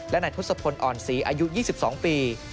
และนายทศพลอ่อนศรีอายุ๒๒ปี